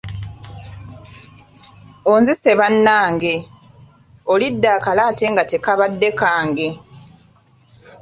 Onzise bannange, olidde akalo ate nga tekabadde kange.